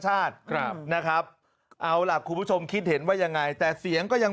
ชาติครับนะครับเอาล่ะคุณผู้ชมคิดเห็นว่ายังไงแต่เสียงก็ยัง